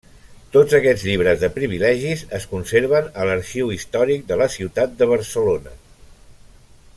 Tots aquests llibres de privilegis es conserven a l’Arxiu Històric de la Ciutat de Barcelona.